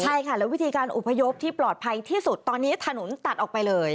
ใช่ค่ะแล้ววิธีการอพยพที่ปลอดภัยที่สุดตอนนี้ถนนตัดออกไปเลย